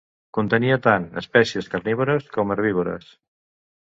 Contenia tant espècies carnívores com herbívores.